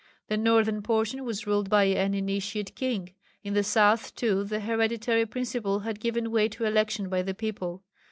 The northern portion was ruled by an Initiate king. In the south too the hereditary principle had given way to election by the people.